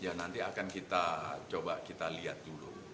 ya nanti akan kita coba kita lihat dulu